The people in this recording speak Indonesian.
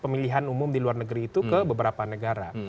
pemilihan umum di luar negeri itu ke beberapa negara